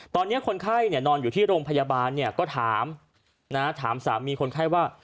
ตอนนี้คนไข้นอนอยู่ที่โรงพยาบาลก็ถามถามสามีคนไข้ว่า